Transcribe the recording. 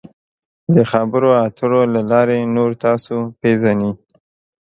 د خبرو اترو له لارې نور تاسو پیژني.